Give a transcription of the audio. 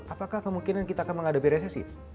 apakah kemungkinan kita akan menghadapi resesi